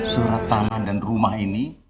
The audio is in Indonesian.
surat tanah dan rumah ini